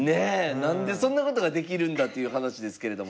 何でそんなことができるんだという話ですけれども。